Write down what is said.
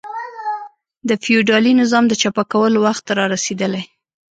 د فیوډالي نظام د چپه کولو وخت را رسېدلی.